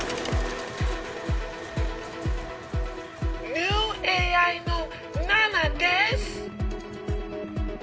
ニューＡＩの七です。